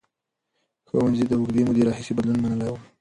ښوونځي د اوږدې مودې راهیسې بدلون منلی و.